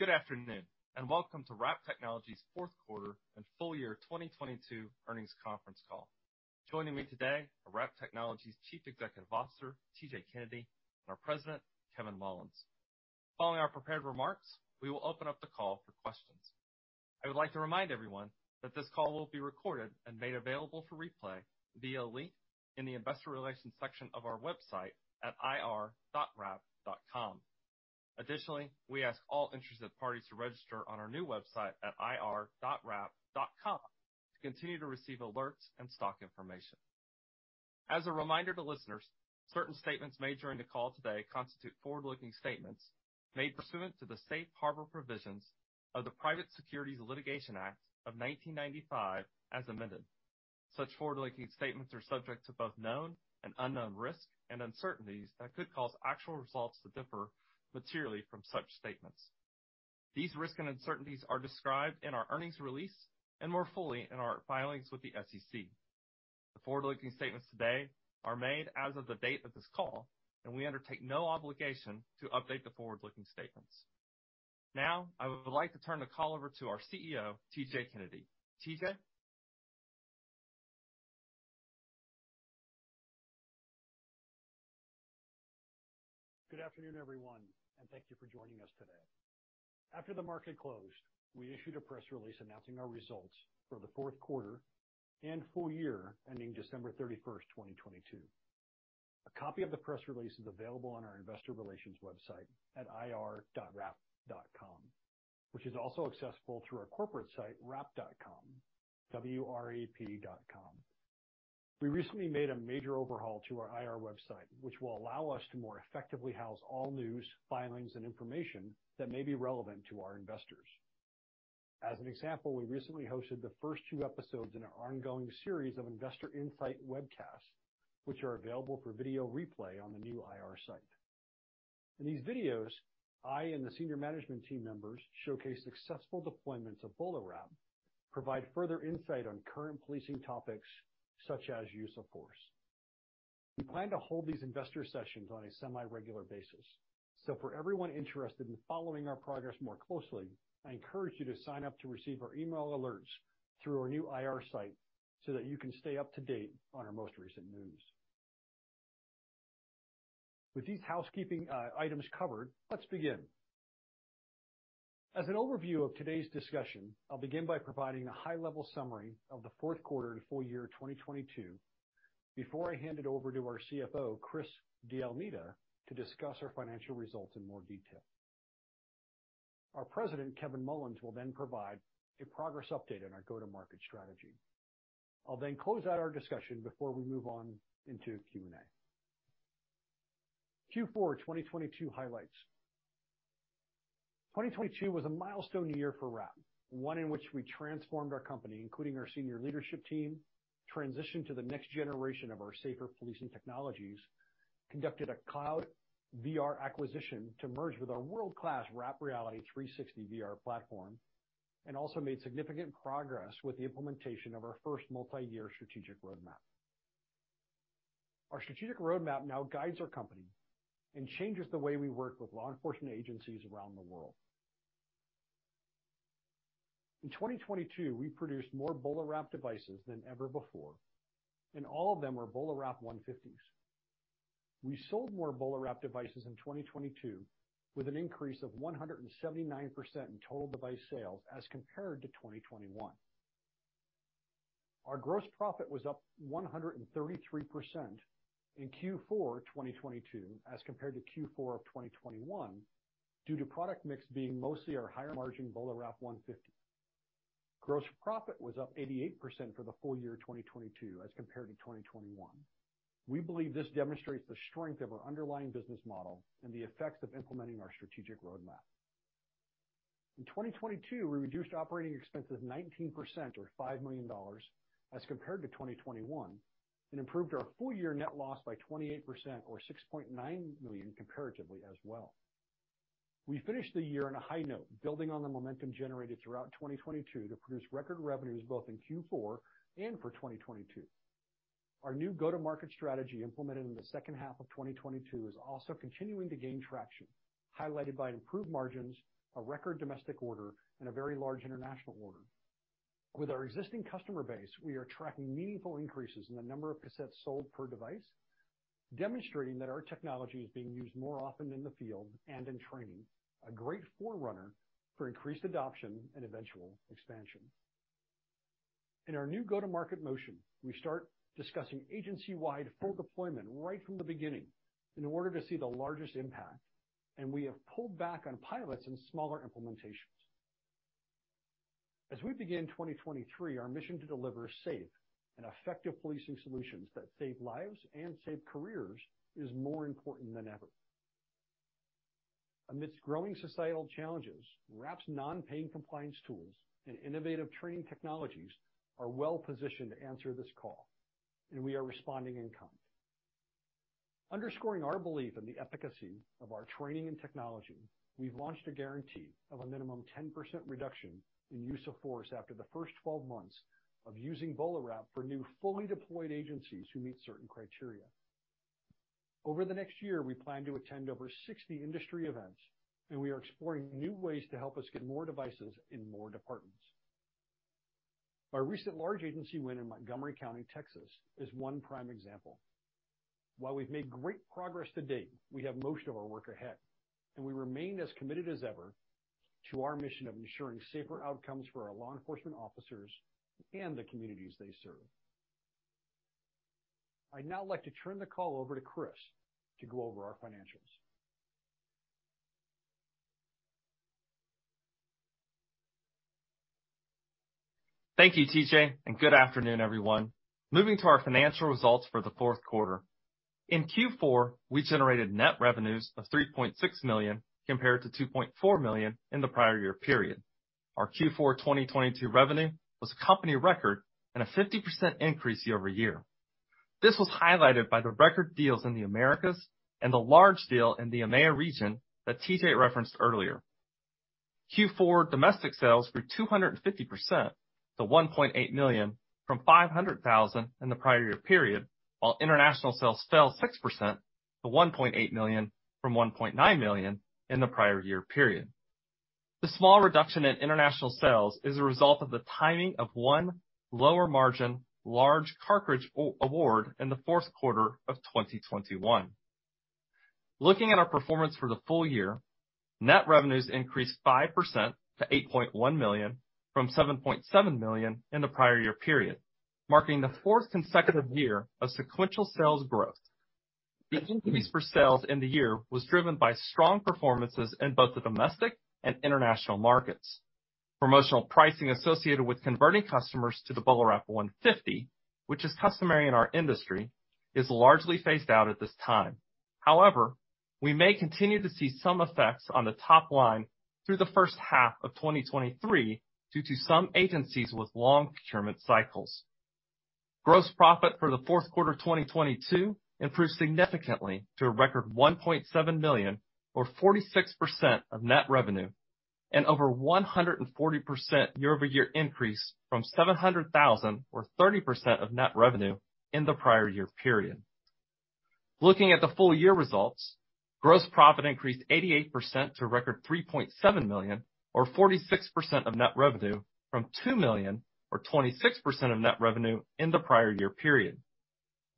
Good afternoon, welcome to Wrap Technologies' Fourth Quarter and Full Year 2022 Earnings Conference Call. Joining me today are Wrap Technologies Chief Executive Officer, TJ Kennedy, and our President, Kevin Mullins. Following our prepared remarks, we will open up the call for questions. I would like to remind everyone that this call will be recorded and made available for replay via a link in the investor relations section of our website at ir.wrap.com. We ask all interested parties to register on our new website at ir.wrap.com to continue to receive alerts and stock information. As a reminder to listeners, certain statements made during the call today constitute forward-looking statements made pursuant to the Safe Harbor Provisions of the Private Securities Litigation Reform Act of 1995, as amended. Such forward-looking statements are subject to both known and unknown risks and uncertainties that could cause actual results to differ materially from such statements. These risks and uncertainties are described in our earnings release and more fully in our filings with the SEC. The forward-looking statements today are made as of the date of this call, and we undertake no obligation to update the forward-looking statements. Now, I would like to turn the call over to our CEO, TJ Kennedy. TJ? Good afternoon, everyone, and thank you for joining us today. After the market closed, we issued a press release announcing our results for the fourth quarter and full year ending December 31st, 2022. A copy of the press release is available on our investor relations website at ir.wrap.com, which is also accessible through our corporate site, wrap.com, W-R-A-P dot com. We recently made a major overhaul to our IR website, which will allow us to more effectively house all news, filings, and information that may be relevant to our investors. As an example, we recently hosted the first two episodes in our ongoing series of Investor Insights webcasts, which are available for video replay on the new IR site. In these videos, I and the senior management team members showcase successful deployments of BolaWrap, provide further insight on current policing topics, such as use of force. We plan to hold these investor sessions on a semi-regular basis. For everyone interested in following our progress more closely, I encourage you to sign up to receive our email alerts through our new IR site so that you can stay up-to-date on our most recent news. With these housekeeping items covered, let's begin. As an overview of today's discussion, I'll begin by providing a high-level summary of the fourth quarter to full year 2022 before I hand it over to our CFO, Chris DeAlmeida, to discuss our financial results in more detail. Our President, Kevin Mullins, will then provide a progress update on our go-to-market strategy. I'll close out our discussion before we move on into Q&A. Q4 2022 highlights. 2022 was a milestone year for Wrap. One in which we transformed our company, including our senior leadership team, transitioned to the next generation of our safer policing technologies, conducted a Cloud VR acquisition to merge with our world-class Wrap Reality 360 VR platform, and also made significant progress with the implementation of our first multi-year strategic roadmap. Our strategic roadmap now guides our company and changes the way we work with law enforcement agencies around the world. In 2022, we produced more BolaWrap devices than ever before, and all of them were BolaWrap 150s. We sold more BolaWrap devices in 2022 with an increase of 179% in total device sales as compared to 2021. Our gross profit was up 133% in Q4 2022 as compared to Q4 of 2021 due to product mix being mostly our higher-margin BolaWrap 150. Gross profit was up 88% for the full year 2022 as compared to 2021. We believe this demonstrates the strength of our underlying business model and the effects of implementing our strategic roadmap. In 2022, we reduced operating expenses 19% or $5 million as compared to 2021 and improved our full year net loss by 28% or $6.9 million comparatively as well. We finished the year on a high note, building on the momentum generated throughout 2022 to produce record revenues both in Q4 and for 2022. Our new go-to-market strategy implemented in the second half of 2022 is also continuing to gain traction, highlighted by improved margins, a record domestic order, and a very large international order. With our existing customer base, we are tracking meaningful increases in the number of cassettes sold per device, demonstrating that our technology is being used more often in the field and in training, a great forerunner for increased adoption and eventual expansion. In our new go-to-market motion, we start discussing agency-wide full deployment right from the beginning in order to see the largest impact, and we have pulled back on pilots and smaller implementations. As we begin 2023, our mission to deliver safe and effective policing solutions that save lives and save careers is more important than ever. Amidst growing societal challenges, Wrap's non-paying compliance tools and innovative training technologies are well-positioned to answer this call, and we are responding in kind. Underscoring our belief in the efficacy of our training and technology. We've launched a guarantee of a minimum 10% reduction in use of force after the first 12 months of using BolaWrap for new fully deployed agencies who meet certain criteria. Over the next year, we plan to attend over 60 industry events, and we are exploring new ways to help us get more devices in more departments. Our recent large agency win in Montgomery County, Texas, is one prime example. While we've made great progress to date, we have most of our work ahead, and we remain as committed as ever to our mission of ensuring safer outcomes for our law enforcement officers and the communities they serve. I'd now like to turn the call over to Chris to go over our financials. Thank you, TJ. Good afternoon, everyone. Moving to our financial results for the fourth quarter. In Q4, we generated net revenues of $3.6 million compared to $2.4 million in the prior year period. Our Q4 2022 revenue was company record and a 50% increase year-over-year. This was highlighted by the record deals in the Americas and the large deal in the EMEA region that TJ referenced earlier. Q4 domestic sales grew 250% to $1.8 million from $500,000 in the prior year period, while international sales fell 6% to $1.8 million from $1.9 million in the prior year period. The small reduction in international sales is a result of the timing of one lower margin, large cartridge award in the fourth quarter of 2021. Looking at our performance for the full year, net revenues increased 5% to $8.1 million from $7.7 million in the prior year period, marking the fourth consecutive year of sequential sales growth. The increase for sales in the year was driven by strong performances in both the domestic and international markets. Promotional pricing associated with converting customers to the BolaWrap 150, which is customary in our industry, is largely phased out at this time. We may continue to see some effects on the top line through the first half of 2023 due to some agencies with long procurement cycles. Gross profit for the fourth quarter 2022 improved significantly to a record $1.7 million, or 46% of net revenue, over 140% year-over-year increase from $700,000 or 30% of net revenue in the prior year period. Looking at the full year results, gross profit increased 88% to a record $3.7 million or 46% of net revenue from $2 million or 26% of net revenue in the prior year period.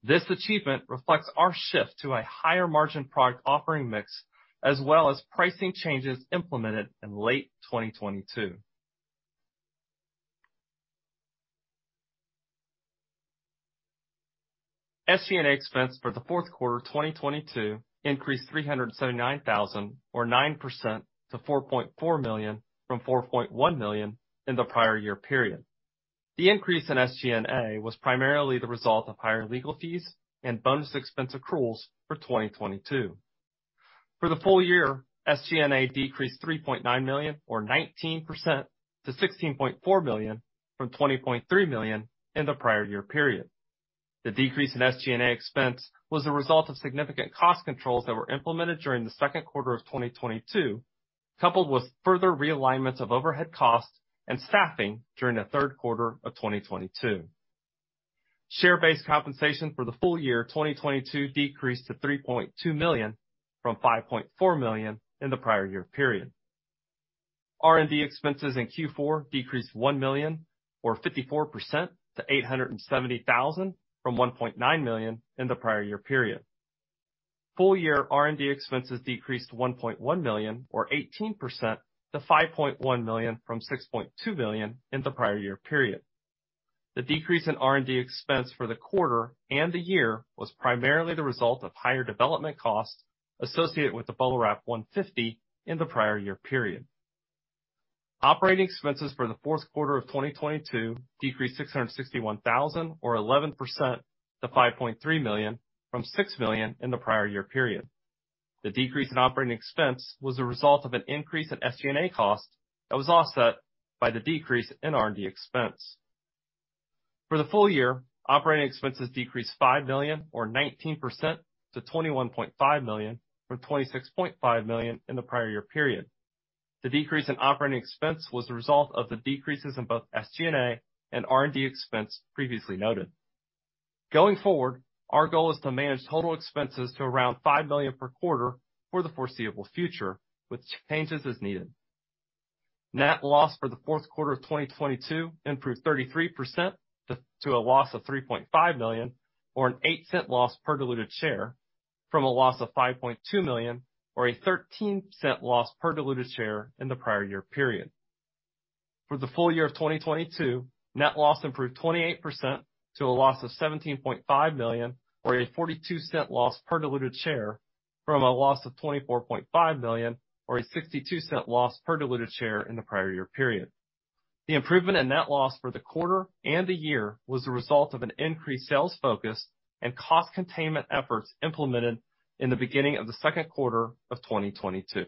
This achievement reflects our shift to a higher margin product offering mix as well as pricing changes implemented in late 2022. SG&A expense for the fourth quarter 2022 increased $379,000 or 9% to $4.4 million from $4.1 million in the prior year period. The increase in SG&A was primarily the result of higher legal fees and bonus expense accruals for 2022. For the full year, SG&A decreased $3.9 million or 19% to $16.4 million from $20.3 million in the prior year period. The decrease in SG&A expense was the result of significant cost controls that were implemented during the second quarter of 2022, coupled with further realignment of overhead costs and staffing during the third quarter of 2022. Share-based compensation for the full year 2022 decreased to $3.2 million from $5.4 million in the prior year period. R&D expenses in Q4 decreased $1 million or 54% to $870,000 from $1.9 million in the prior year period. Full year R&D expenses decreased $1.1 million or 18% to $5.1 million from $6.2 million in the prior year period. The decrease in R&D expense for the quarter and the year was primarily the result of higher development costs associated with the BolaWrap 150 in the prior year period. Operating expenses for the fourth quarter of 2022 decreased $661,000 or 11% to $5.3 million from $6 million in the prior year period. The decrease in operating expense was a result of an increase in SG&A cost that was offset by the decrease in R&D expense. For the full year, operating expenses decreased $5 million or 19% to $21.5 million from $26.5 million in the prior year period. The decrease in operating expense was the result of the decreases in both SG&A and R&D expense previously noted. Going forward, our goal is to manage total expenses to around $5 million per quarter for the foreseeable future with changes as needed. Net loss for the fourth quarter of 2022 improved 33% to a loss of $3.5 million or an $0.08 loss per diluted share from a loss of $5.2 million or a $0.13 loss per diluted share in the prior year period. For the full year of 2022, net loss improved 28% to a loss of $17.5 million or a $0.42 loss per diluted share from a loss of $24.5 million or a $0.62 loss per diluted share in the prior year period. The improvement in net loss for the quarter and the year was the result of an increased sales focus and cost containment efforts implemented in the beginning of the second quarter of 2022.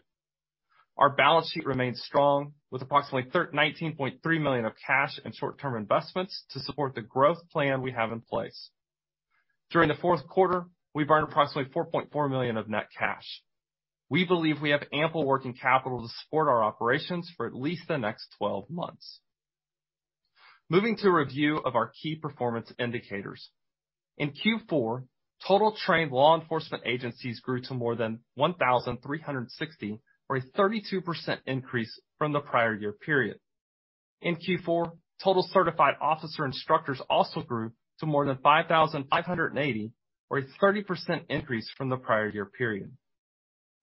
Our balance sheet remains strong with approximately $19.3 million of cash and short-term investments to support the growth plan we have in place. During the fourth quarter, we burned approximately $4.4 million of net cash. We believe we have ample working capital to support our operations for at least the next 12 months. Moving to a review of our key performance indicators. In Q4, total trained law enforcement agencies grew to more than 1,360, or a 32% increase from the prior year period. In Q4, total certified officer instructors also grew to more than 5,580, or a 30% increase from the prior year period.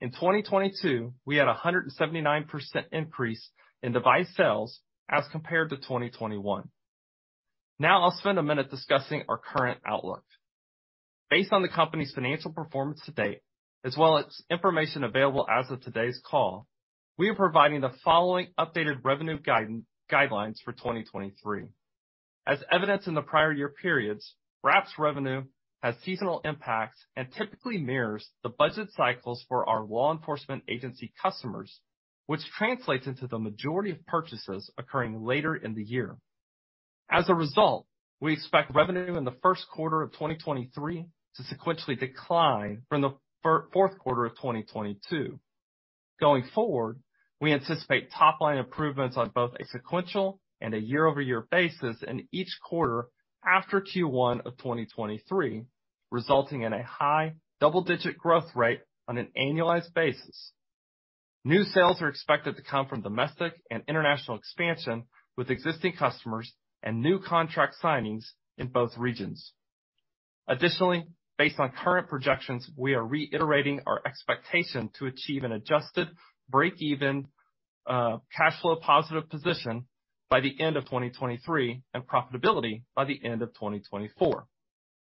In 2022, we had a 179% increase in device sales as compared to 2021. I'll spend a minute discussing our current outlook. Based on the company's financial performance to date, as well as information available as of today's call, we are providing the following updated revenue guidelines for 2023. As evidenced in the prior year periods, Wrap's revenue has seasonal impacts and typically mirrors the budget cycles for our law enforcement agency customers, which translates into the majority of purchases occurring later in the year. As a result, we expect revenue in the first quarter of 2023 to sequentially decline from the fourth quarter of 2022. Going forward, we anticipate top line improvements on both a sequential and a year-over-year basis in each quarter after Q1 of 2023, resulting in a high double-digit growth rate on an annualized basis. New sales are expected to come from domestic and international expansion with existing customers and new contract signings in both regions. Additionally, based on current projections, we are reiterating our expectation to achieve an adjusted break-even cash flow positive position by the end of 2023, and profitability by the end of 2024.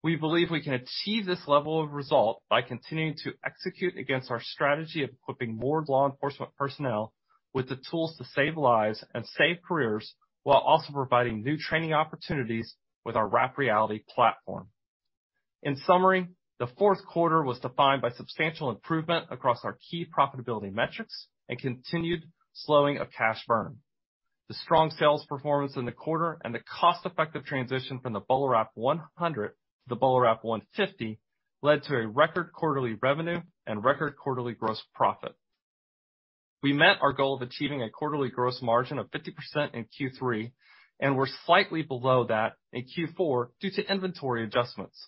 We believe we can achieve this level of result by continuing to execute against our strategy of equipping more law enforcement personnel with the tools to save lives and save careers, while also providing new training opportunities with our Wrap Reality platform. In summary, the fourth quarter was defined by substantial improvement across our key profitability metrics and continued slowing of cash burn. The strong sales performance in the quarter and the cost-effective transition from the BolaWrap 100 to the BolaWrap 150 led to a record quarterly revenue and record quarterly gross profit. We met our goal of achieving a quarterly gross margin of 50% in Q3, and we're slightly below that in Q4 due to inventory adjustments.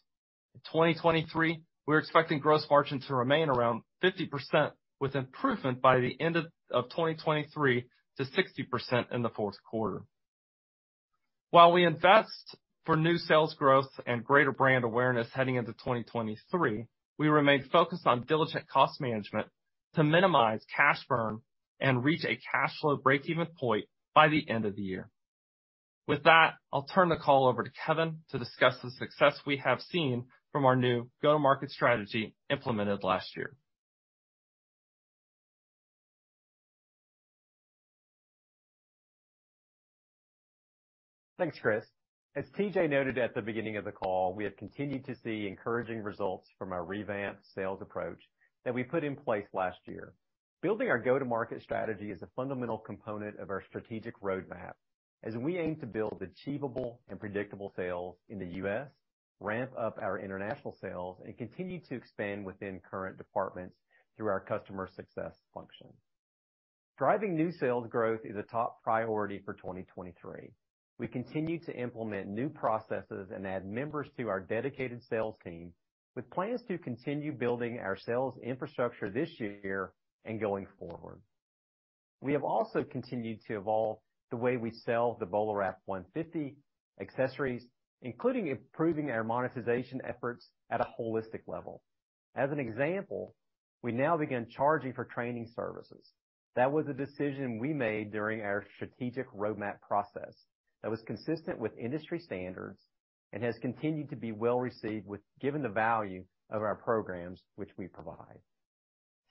In 2023, we're expecting gross margin to remain around 50% with improvement by the end of 2023 to 60% in the fourth quarter. While we invest for new sales growth and greater brand awareness heading into 2023, we remain focused on diligent cost management to minimize cash burn and reach a cash flow break-even point by the end of the year. With that, I'll turn the call over to Kevin to discuss the success we have seen from our new go-to-market strategy implemented last year. Thanks, Chris. As TJ noted at the beginning of the call, we have continued to see encouraging results from our revamped sales approach that we put in place last year. Building our go-to-market strategy is a fundamental component of our strategic roadmap as we aim to build achievable and predictable sales in the U.S., ramp up our international sales, and continue to expand within current departments through our customer success function. Driving new sales growth is a top priority for 2023. We continue to implement new processes and add members to our dedicated sales team with plans to continue building our sales infrastructure this year and going forward. We have also continued to evolve the way we sell the BolaWrap 150 accessories, including improving our monetization efforts at a holistic level. As an example, we now begin charging for training services. That was a decision we made during our strategic roadmap process that was consistent with industry standards and has continued to be well received given the value of our programs which we provide.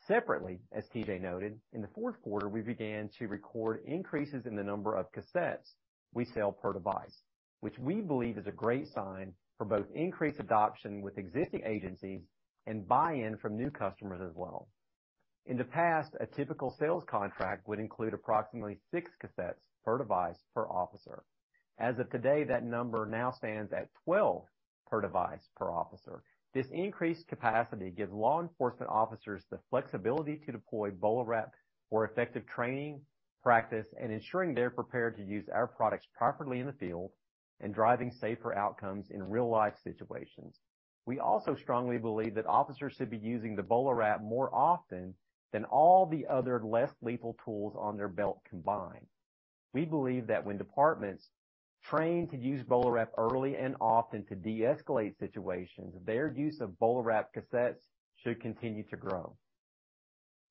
Separately, as TJ noted, in the fourth quarter, we began to record increases in the number of cassettes we sell per device, which we believe is a great sign for both increased adoption with existing agencies and buy-in from new customers as well. In the past, a typical sales contract would include approximately six cassettes per device, per officer. As of today, that number now stands at 12 per device, per officer. This increased capacity gives law enforcement officers the flexibility to deploy BolaWrap for effective training, practice, and ensuring they're prepared to use our products properly in the field and driving safer outcomes in real life situations. We also strongly believe that officers should be using the BolaWrap more often than all the other less lethal tools on their belt combined. We believe that when departments train to use BolaWrap early and often to de-escalate situations, their use of BolaWrap cassettes should continue to grow.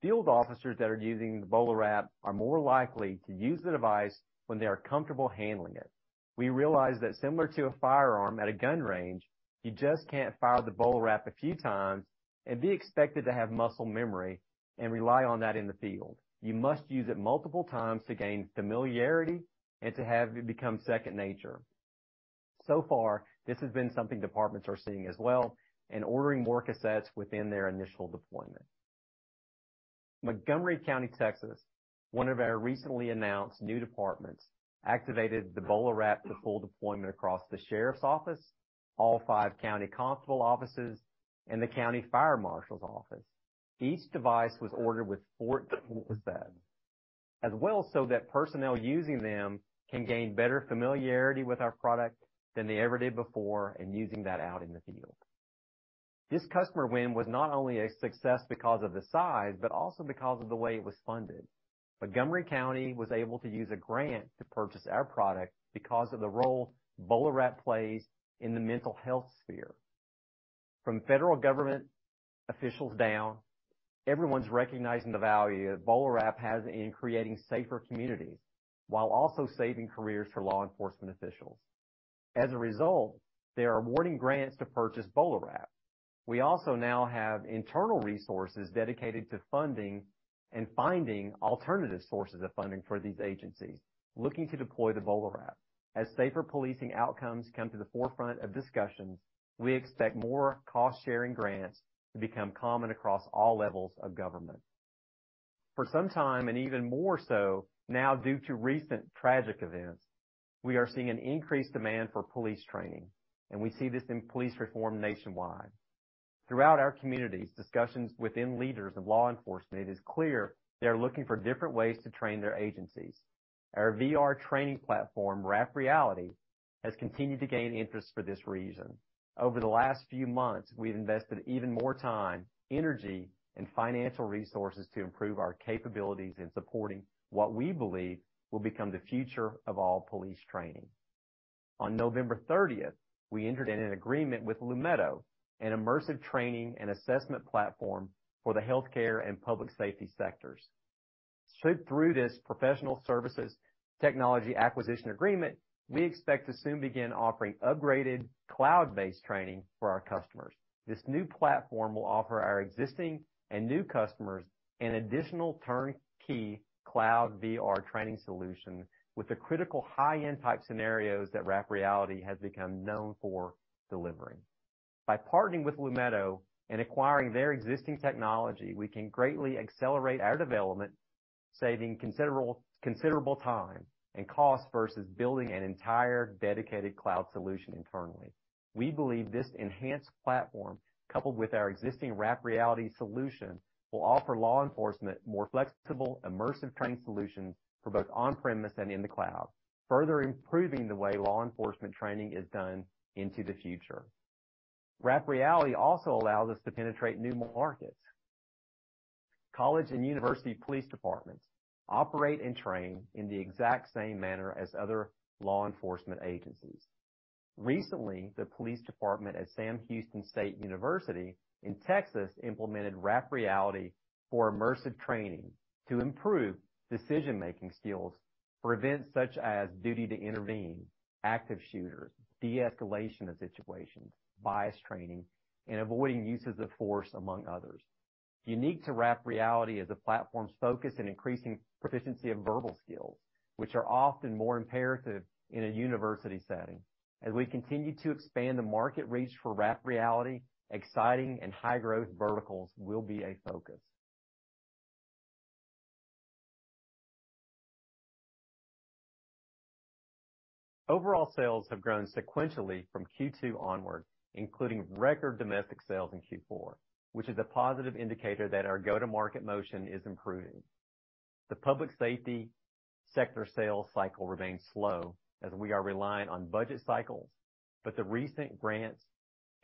Field officers that are using the BolaWrap are more likely to use the device when they are comfortable handling it. We realize that similar to a firearm at a gun range, you just can't fire the BolaWrap a few times and be expected to have muscle memory and rely on that in the field. You must use it multiple times to gain familiarity and to have it become second nature. Far, this has been something departments are seeing as well and ordering more cassettes within their initial deployment. Montgomery County, Texas, one of our recently announced new departments, activated the BolaWrap for full deployment across the sheriff's office, all five county constable offices, and the county fire marshal's office. Each device was ordered with four as well, so that personnel using them can gain better familiarity with our product than they ever did before in using that out in the field. This customer win was not only a success because of the size, but also because of the way it was funded. Montgomery County was able to use a grant to purchase our product because of the role BolaWrap plays in the mental health sphere. From federal government officials down, everyone's recognizing the value that BolaWrap has in creating safer communities while also saving careers for law enforcement officials. As a result, they are awarding grants to purchase BolaWrap. We also now have internal resources dedicated to funding and finding alternative sources of funding for these agencies looking to deploy the BolaWrap. As safer policing outcomes come to the forefront of discussions, we expect more cost-sharing grants to become common across all levels of government. For some time, and even more so now due to recent tragic events, we are seeing an increased demand for police training, and we see this in police reform nationwide. Throughout our communities, discussions within leaders of law enforcement, it is clear they're looking for different ways to train their agencies. Our VR training platform, Wrap Reality, has continued to gain interest for this reason. Over the last few months, we've invested even more time, energy, and financial resources to improve our capabilities in supporting what we believe will become the future of all police training. On November 30th, we entered in an agreement with Lumeto, an immersive training and assessment platform for the healthcare and public safety sectors. Through this professional services technology acquisition agreement, we expect to soon begin offering upgraded cloud-based training for our customers. This new platform will offer our existing and new customers an additional turnkey Cloud VR training solution with the critical high-end type scenarios that Wrap Reality has become known for delivering. By partnering with Lumeto and acquiring their existing technology, we can greatly accelerate our development, saving considerable time and cost versus building an entire dedicated cloud solution internally. We believe this enhanced platform, coupled with our existing Wrap Reality solution, will offer law enforcement more flexible, immersive training solutions for both on-premise and in the cloud, further improving the way law enforcement training is done into the future. Wrap Reality also allows us to penetrate new markets. College and university police departments operate and train in the exact same manner as other law enforcement agencies. Recently, the police department at Sam Houston State University in Texas implemented Wrap Reality for immersive training to improve decision-making skills for events such as duty to intervene, active shooters, de-escalation of situations, bias training, and avoiding uses of force, among others. Unique to Wrap Reality is the platform's focus in increasing proficiency of verbal skills, which are often more imperative in a university setting. As we continue to expand the market reach for Wrap Reality, exciting and high-growth verticals will be a focus. Overall sales have grown sequentially from Q2 onward, including record domestic sales in Q4, which is a positive indicator that our go-to-market motion is improving. The public safety sector sales cycle remains slow as we are reliant on budget cycles, but the recent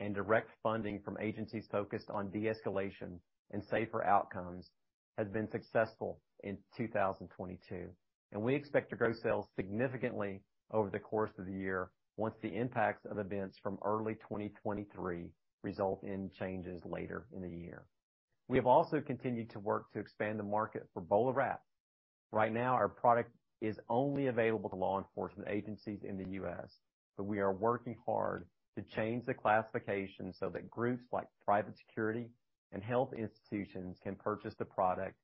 grants and direct funding from agencies focused on de-escalation and safer outcomes has been successful in 2022, and we expect to grow sales significantly over the course of the year once the impacts of events from early 2023 result in changes later in the year. We have also continued to work to expand the market for BolaWrap. Right now, our product is only available to law enforcement agencies in the U.S. We are working hard to change the classification so that groups like private security and health institutions can purchase the product,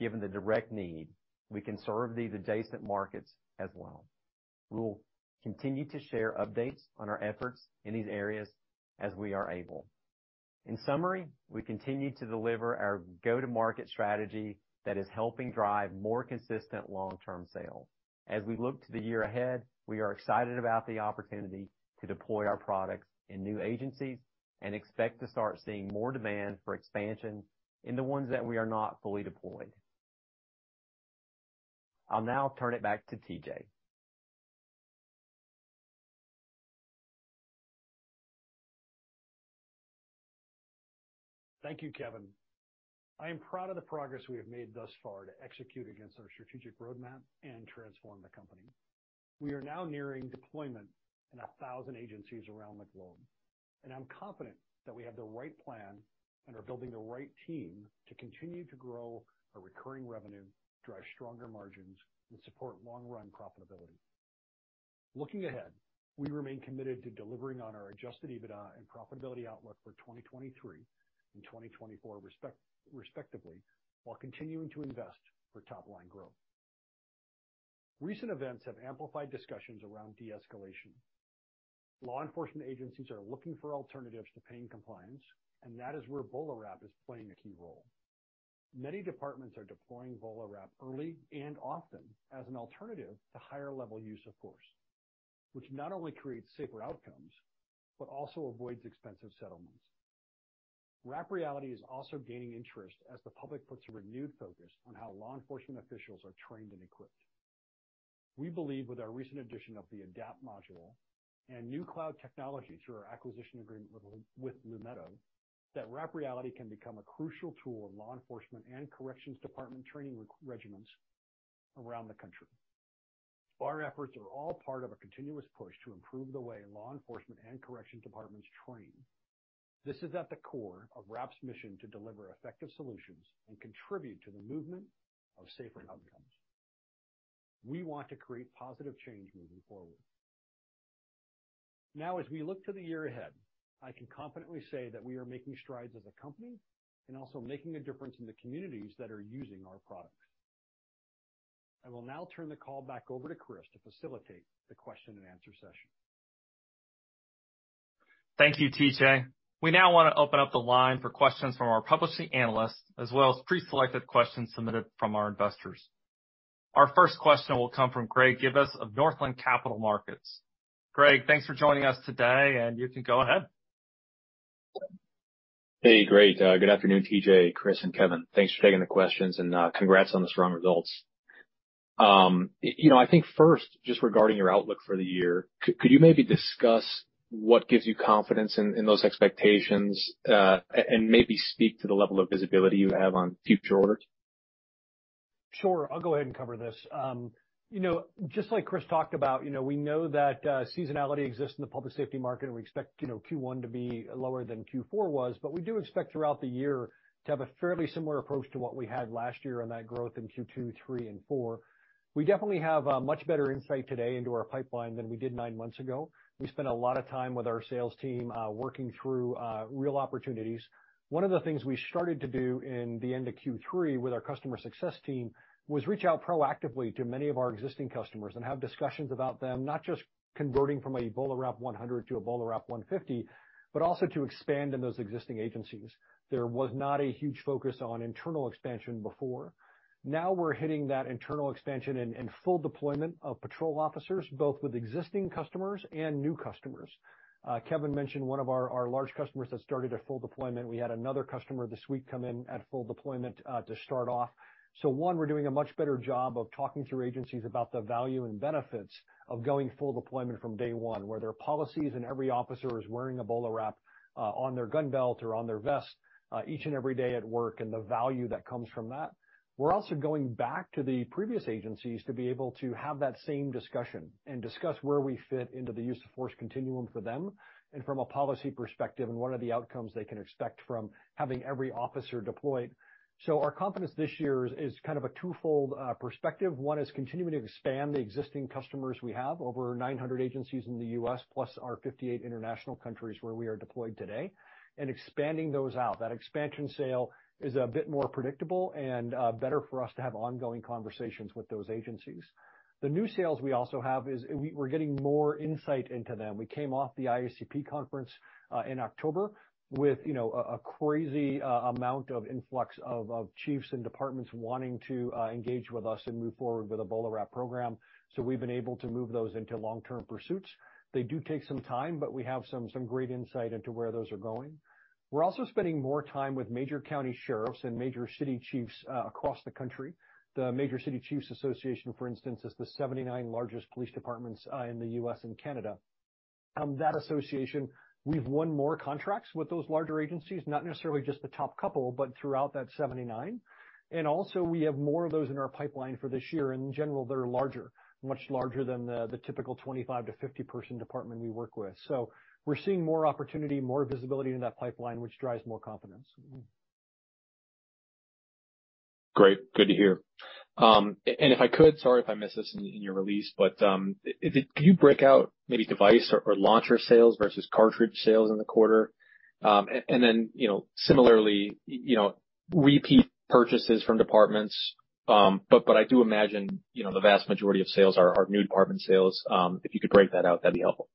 given the direct need. We can serve these adjacent markets as well. We will continue to share updates on our efforts in these areas as we are able. In summary, we continue to deliver our go-to-market strategy that is helping drive more consistent long-term sales. As we look to the year ahead, we are excited about the opportunity to deploy our products in new agencies and expect to start seeing more demand for expansion in the ones that we are not fully deployed. I'll now turn it back to TJ. Thank you, Kevin. I am proud of the progress we have made thus far to execute against our strategic roadmap and transform the company. We are now nearing deployment in 1,000 agencies around the globe. I'm confident that we have the right plan and are building the right team to continue to grow our recurring revenue, drive stronger margins, and support long-run profitability. Looking ahead, we remain committed to delivering on our adjusted EBITDA and profitability outlook for 2023 and 2024 respectively, while continuing to invest for top-line growth. Recent events have amplified discussions around de-escalation. Law enforcement agencies are looking for alternatives to pain compliance. That is where BolaWrap is playing a key role. Many departments are deploying BolaWrap early and often as an alternative to higher level use of force, which not only creates safer outcomes, but also avoids expensive settlements. Wrap Reality is also gaining interest as the public puts a renewed focus on how law enforcement officials are trained and equipped. We believe with our recent addition of the ADAPT module and new cloud technology through our acquisition agreement with Lumeto, that Wrap Reality can become a crucial tool in law enforcement and corrections department training regimens around the country. Our efforts are all part of a continuous push to improve the way law enforcement and correction departments train. This is at the core of Wrap's mission to deliver effective solutions and contribute to the movement of safer outcomes. We want to create positive change moving forward. Now, as we look to the year ahead, I can confidently say that we are making strides as a company and also making a difference in the communities that are using our products. I will now turn the call back over to Chris to facilitate the question and answer session. Thank you, TJ. We now wanna open up the line for questions from our publishing analysts as well as preselected questions submitted from our investors. Our first question will come from Greg Gibas of Northland Capital Markets. Greg, thanks for joining us today, and you can go ahead. Hey, great. Good afternoon, TJ, Chris, and Kevin. Thanks for taking the questions and congrats on the strong results. You know, I think first, just regarding your outlook for the year, could you maybe discuss what gives you confidence in those expectations and maybe speak to the level of visibility you have on future orders? Sure. I'll go ahead and cover this. you know, just like Chris talked about, you know, we know that seasonality exists in the public safety market, and we expect, you know, Q1 to be lower than Q4 was. We do expect throughout the year to have a fairly similar approach to what we had last year on that growth in Q2, three, and four. We definitely have much better insight today into our pipeline than we did nine months ago. We spent a lot of time with our sales team, working through real opportunities. One of the things we started to do in the end of Q3 with our customer success team was reach out proactively to many of our existing customers and have discussions about them, not just converting from a BolaWrap 100 to a BolaWrap 150, but also to expand in those existing agencies. There was not a huge focus on internal expansion before. Now we're hitting that internal expansion and full deployment of patrol officers, both with existing customers and new customers. Kevin mentioned one of our large customers that started a full deployment. We had another customer this week come in at full deployment to start off. One, we're doing a much better job of talking to agencies about the value and benefits of going full deployment from day one, where their policies and every officer is wearing a BolaWrap on their gun belt or on their vest each and every day at work, and the value that comes from that. We're also going back to the previous agencies to be able to have that same discussion and discuss where we fit into the use of force continuum for them and from a policy perspective and what are the outcomes they can expect from having every officer deployed. Our confidence this year is kind of a twofold perspective. One is continuing to expand the existing customers we have, over 900 agencies in the U.S. plus our 58 international countries where we are deployed today, and expanding those out. That expansion sale is a bit more predictable and better for us to have ongoing conversations with those agencies. The new sales we also have is we're getting more insight into them. We came off the IACP conference in October with, you know, a crazy amount of influx of chiefs and departments wanting to engage with us and move forward with a BolaWrap program. We've been able to move those into long-term pursuits. They do take some time, but we have some great insight into where those are going. We're also spending more time with major county sheriffs and major city chiefs across the country. The Major City Chiefs Association, for instance, is the 79 largest police departments in the U.S. and Canada. That association, we've won more contracts with those larger agencies, not necessarily just the top couple, but throughout that 79. Also we have more of those in our pipeline for this year. In general, they're larger, much larger than the typical 25-50 person department we work with. We're seeing more opportunity, more visibility in that pipeline, which drives more confidence. Great. Good to hear. If I could, sorry if I missed this in your release, can you break out maybe device or launcher sales versus cartridge sales in the quarter? You know, similarly, you know, repeat purchases from departments. I do imagine, you know, the vast majority of sales are new department sales. If you could break that out, that'd be helpful.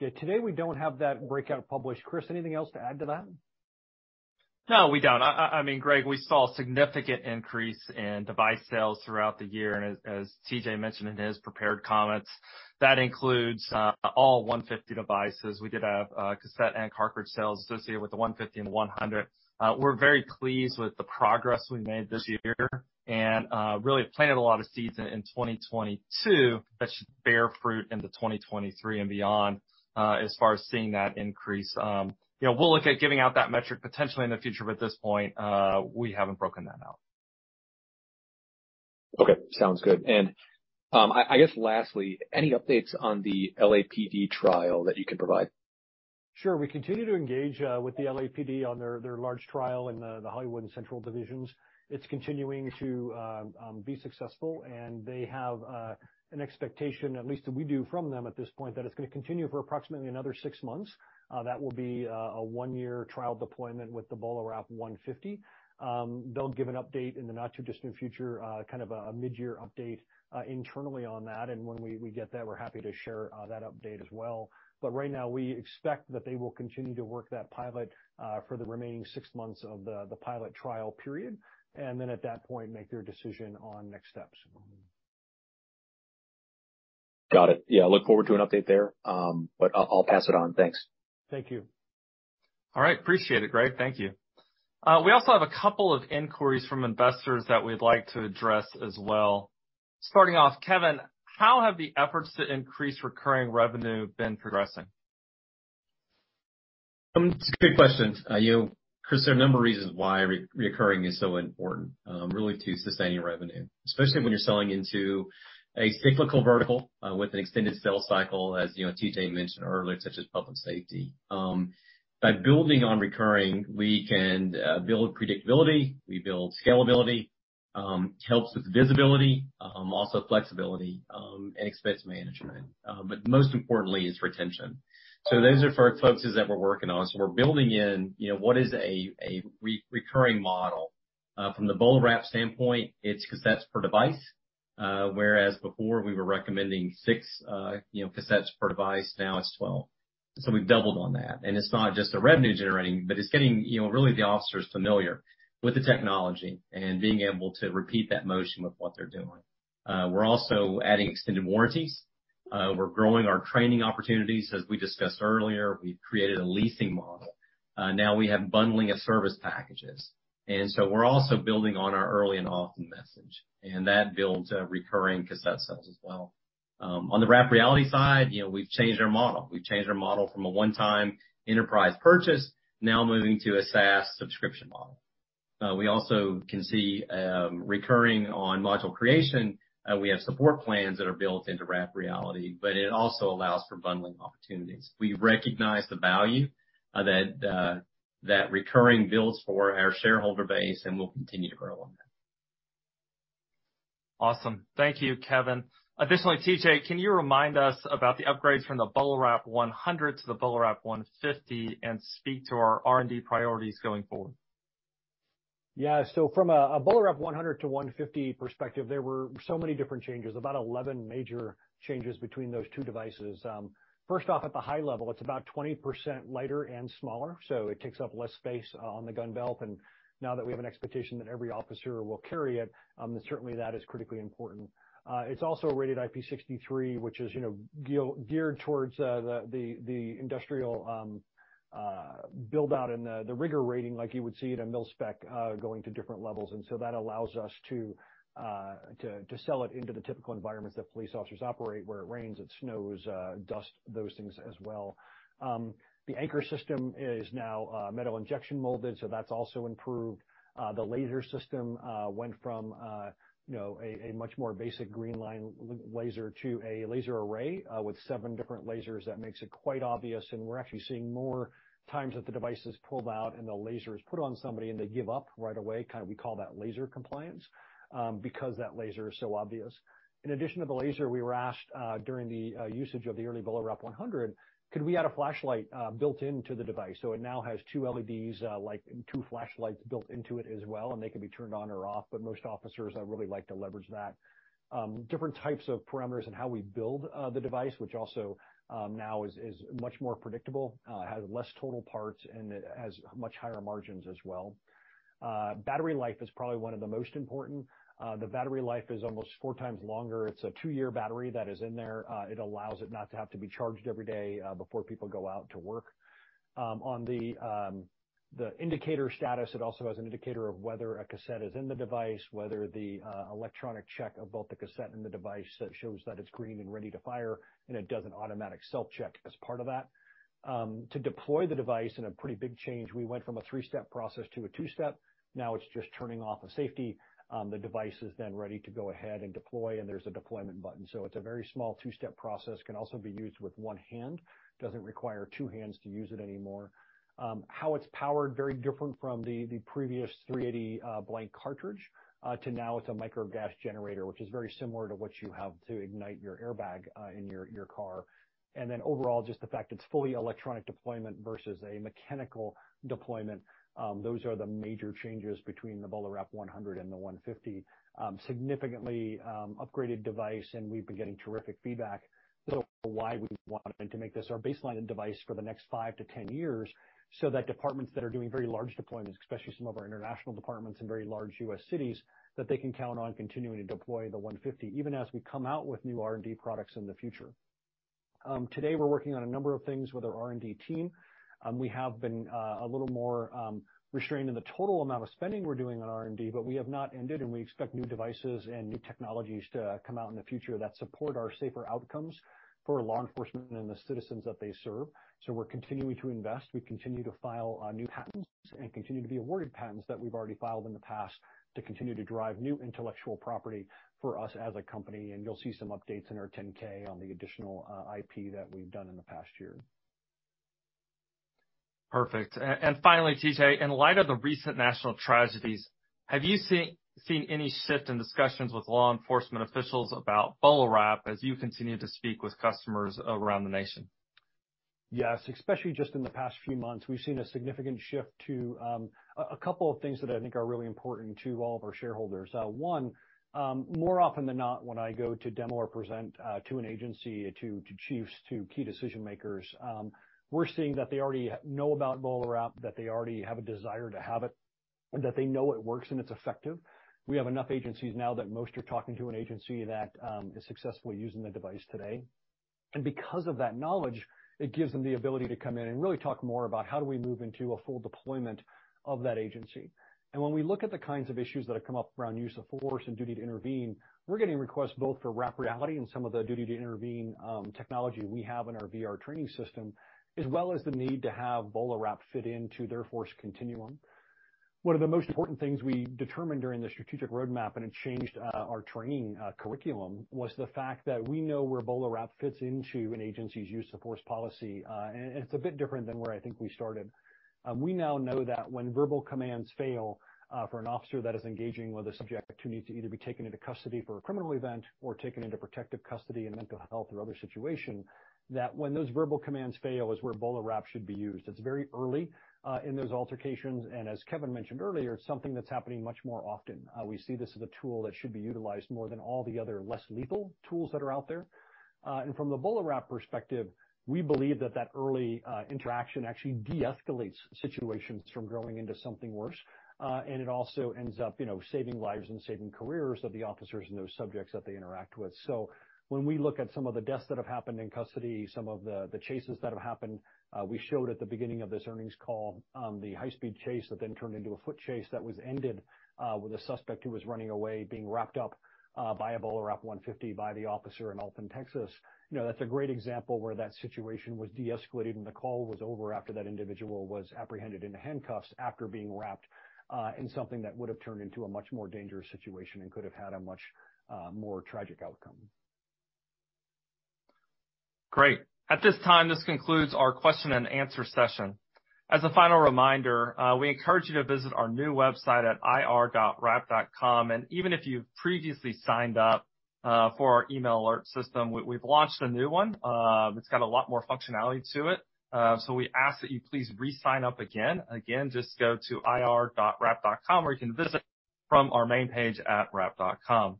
Yeah. Today, we don't have that breakout published. Chris, anything else to add to that? No, we don't. I mean, Greg, we saw a significant increase in device sales throughout the year, and as TJ mentioned in his prepared comments, that includes all 150 devices. We did have cassette and cartridge sales associated with the 150 and the 100. We're very pleased with the progress we made this year and really planted a lot of seeds in 2022 that should bear fruit into 2023 and beyond, as far as seeing that increase. You know, we'll look at giving out that metric potentially in the future, but at this point, we haven't broken that out. Okay. Sounds good. I guess lastly, any updates on the LAPD trial that you can provide? Sure. We continue to engage with the LAPD on their large trial in the Hollywood and Central divisions. It's continuing to be successful, and they have an expectation, at least that we do from them at this point, that it's gonna continue for approximately another six months. That will be a one-year trial deployment with the BolaWrap 150. They'll give an update in the not too distant future, kind of a midyear update internally on that, and when we get that, we're happy to share that update as well. Right now, we expect that they will continue to work that pilot for the remaining six months of the pilot trial period, and then at that point, make their decision on next steps. Got it. Yeah, look forward to an update there. I'll pass it on. Thanks. Thank you. All right. Appreciate it, Greg. Thank you. We also have a couple of inquiries from investors that we'd like to address as well. Starting off, Kevin, how have the efforts to increase recurring revenue been progressing? It's a great question. You know, Chris DeAlmeida, there are a number of reasons why re-recurring is so important, really to sustaining revenue, especially when you're selling into a cyclical vertical, with an extended sales cycle, as, you know, TJ mentioned earlier, such as public safety. By building on recurring, we can build predictability. We build scalability, helps with visibility, also flexibility, and expense management. But most importantly is retention. Those are four focuses that we're working on. We're building in, you know, what is a re-recurring model. From the BolaWrap standpoint, it's cassettes per device, whereas before we were recommending six, you know, cassettes per device, now it's 12. We've doubled on that. It's not just the revenue generating, but it's getting, you know, really the officers familiar with the technology and being able to repeat that motion with what they're doing. We're also adding extended warranties. We're growing our training opportunities, as we discussed earlier. We've created a leasing model. Now we have bundling of service packages, and so we're also building on our early and often message, and that builds recurring cassette sales as well. On the Wrap Reality side, you know, we've changed our model. We've changed our model from a one-time enterprise purchase now moving to a SaaS subscription model. We also can see recurring on module creation. We have support plans that are built into Wrap Reality, but it also allows for bundling opportunities. We recognize the value that recurring builds for our shareholder base, and we'll continue to grow on that. Awesome. Thank you, Kevin. Additionally, TJ, can you remind us about the upgrades from the BolaWrap 100 to the BolaWrap 150 and speak to our R&D priorities going forward? Yeah. From a BolaWrap 100 to 150 perspective, there were so many different changes, about 11 major changes between those two devices. First off, at the high level, it's about 20% lighter and smaller, it takes up less space on the gun belt, now that we have an expectation that every officer will carry it, certainly that is critically important. It's also rated IP63, which is, you know, geared towards the industrial build out and the rigor rating like you would see at a MIL-SPEC, going to different levels. That allows us to sell it into the typical environments that police officers operate, where it rains, it snows, dust, those things as well. The anchor system is now metal injection molded, that's also improved. The laser system went from, you know, a much more basic green line laser to a laser array with seven different lasers that makes it quite obvious, and we're actually seeing more times that the device is pulled out and the laser is put on somebody, and they give up right away. Kind of we call that laser compliance, because that laser is so obvious. In addition to the laser, we were asked during the usage of the early BolaWrap 100, could we add a flashlight built into the device? It now has two LEDs, like two flashlights built into it as well, and they can be turned on or off. Most officers really like to leverage that. Different types of parameters in how we build the device, which also now is much more predictable, has less total parts, and it has much higher margins as well. Battery life is probably one of the most important. The battery life is almost 4x longer. It's a 2-year battery that is in there. It allows it not to have to be charged every day before people go out to work. On the indicator status, it also has an indicator of whether a cassette is in the device, whether the electronic check of both the cassette and the device shows that it's green and ready to fire, and it does an automatic self-check as part of that. To deploy the device in a pretty big change, we went from a 3-step process to a 2-step. It's just turning off the safety. The device is ready to go ahead and deploy, and there's a deployment button. It's a very small two-step process, can also be used with one hand, doesn't require two hands to use it anymore. How it's powered, very different from the previous 380 blank cartridge, to now it's a micro gas generator, which is very similar to what you have to ignite your airbag in your car. Overall, just the fact it's fully electronic deployment versus a mechanical deployment, those are the major changes between the BolaWrap 100 and the 150. Significantly upgraded device, and we've been getting terrific feedback, so why we wanted to make this our baseline device for the next 5-10 years, so that departments that are doing very large deployments, especially some of our international departments and very large U.S. cities, that they can count on continuing to deploy the 150, even as we come out with new R&D products in the future. Today, we're working on a number of things with our R&D team. We have been a little more restrained in the total amount of spending we're doing on R&D, but we have not ended, and we expect new devices and new technologies to come out in the future that support our safer outcomes for law enforcement and the citizens that they serve. We're continuing to invest. We continue to file new patents and continue to be awarded patents that we've already filed in the past to continue to drive new intellectual property for us as a company. You'll see some updates in our 10-K on the additional IP that we've done in the past year. Perfect. Finally, TJ, in light of the recent national tragedies, have you seen any shift in discussions with law enforcement officials about BolaWrap as you continue to speak with customers around the nation? Yes, especially just in the past few months, we've seen a significant shift to a couple of things that I think are really important to all of our shareholders. One, more often than not, when I go to demo or present to an agency, to chiefs, to key decision makers, we're seeing that they already know about BolaWrap, that they already have a desire to have it, and that they know it works and it's effective. We have enough agencies now that most are talking to an agency that is successfully using the device today. Because of that knowledge, it gives them the ability to come in and really talk more about how do we move into a full deployment of that agency. When we look at the kinds of issues that have come up around use of force and duty to intervene, we're getting requests both for Wrap Reality and some of the duty to intervene technology we have in our VR training system, as well as the need to have BolaWrap fit into their force continuum. One of the most important things we determined during the strategic roadmap, and it changed our training curriculum, was the fact that we know where BolaWrap fits into an agency's use of force policy. And it's a bit different than where I think we started. We now know that when verbal commands fail, for an officer that is engaging with a subject who needs to either be taken into custody for a criminal event or taken into protective custody in mental health or other situation, that when those verbal commands fail is where BolaWrap should be used. It's very early in those altercations, as Kevin mentioned earlier, it's something that's happening much more often. We see this as a tool that should be utilized more than all the other less lethal tools that are out there. From the BolaWrap perspective, we believe that that early interaction actually deescalates situations from growing into something worse. It also ends up, you know, saving lives and saving careers of the officers and those subjects that they interact with. When we look at some of the deaths that have happened in custody, some of the chases that have happened, we showed at the beginning of this earnings call, the high speed chase that then turned into a foot chase that was ended, with a suspect who was running away, being wrapped up, by a BolaWrap 150 by the officer in Alton, Texas. You know, that's a great example where that situation was deescalated, and the call was over after that individual was apprehended into handcuffs after being wrapped, in something that would've turned into a much more dangerous situation and could have had a much, more tragic outcome. Great. At this time, this concludes our question and answer session. As a final reminder, we encourage you to visit our new website at ir.wrap.com. Even if you've previously signed up, for our email alert system, we've launched a new one. It's got a lot more functionality to it. We ask that you please re-sign up again. Again, just go to ir.wrap.com, or you can visit from our main page at wrap.com.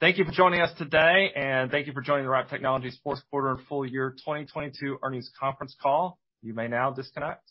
Thank you for joining us today, and thank you for joining the Wrap Technologies fourth quarter and full year 2022 earnings conference call. You may now disconnect.